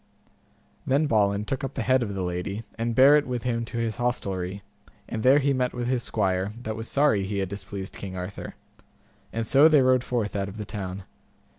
Then Balin took up the head of the lady, and bare it with him to his hostelry, and there he met with his squire, that was sorry he had displeased King Arthur and so they rode forth out of the town.